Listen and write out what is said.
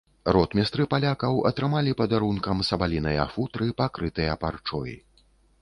Ротмістры палякаў атрымалі падарункам сабаліныя футры, пакрытыя парчой.